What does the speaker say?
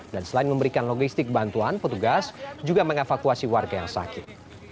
selain memberikan logistik bantuan petugas juga mengevakuasi warga yang sakit